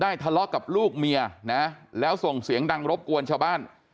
ทะเลาะกับลูกเมียนะแล้วส่งเสียงดังรบกวนชาวบ้าน